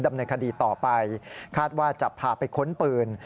ดำเนินคดีต่อไปคาดว่าจะพาไปค้นปืน